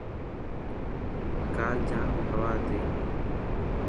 ڪال ڄام هوا هتي.